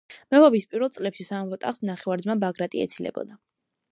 მეფობის პირველ წლებში სამეფო ტახტს ნახევარძმა ბაგრატი ეცილებოდა.